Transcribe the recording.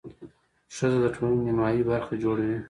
ښځه د ټولنې نیمایي برخه جوړوي.